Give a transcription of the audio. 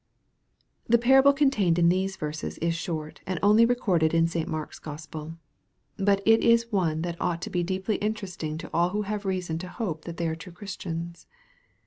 THE parable contained in these verses is short, and only recorded in St. Mark's Gospel. But it is one that ought to be deeply interesting to all who have reason to hope that they are true Christians.